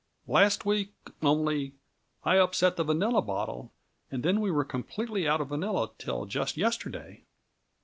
Last week, only, I upset the vanilla bottle, and then we were completely out of vanilla till just yesterday."